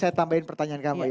saya tambahin pertanyaan kamu